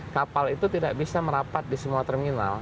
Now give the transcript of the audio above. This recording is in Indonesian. kapal itu tidak bisa merapat di semua terminal